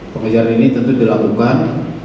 pengejaran ini tentu dilakukan